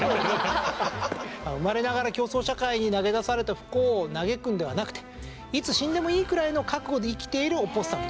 生まれながら競争社会に投げ出された不幸を嘆くんではなくていつ死んでもいいくらいの覚悟で生きているオポッサムと。